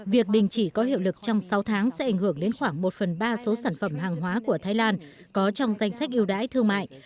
việc đình chỉ có hiệu lực trong sáu tháng sẽ ảnh hưởng đến khoảng một phần ba số sản phẩm hàng hóa của thái lan có trong danh sách yêu đãi thương mại